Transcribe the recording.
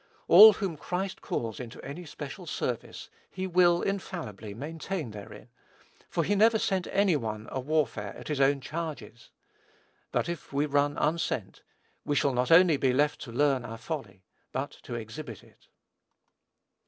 All whom Christ calls into any special service, he will, infallibly, maintain therein, for he never sent any one a warfare at his own charges. But if we run unsent, we shall not only be left to learn our folly, but to exhibit it.